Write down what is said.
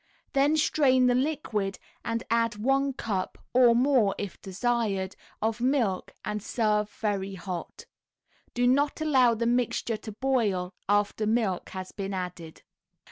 Then strain the liquid and add one cup (or more if desired) of milk, and serve very hot. Do not allow the mixture to boil after milk has been added.